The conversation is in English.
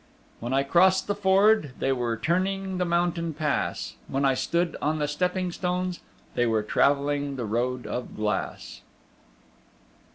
When I crossed the Ford They were turning the Mountain Pass; When I stood on the Stepping stones They were travelling the Road of Glass.